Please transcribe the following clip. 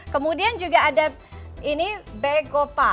kemudian juga ada ini be go pa